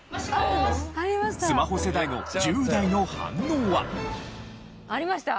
スマホ世代の１０代の反応は？ありました？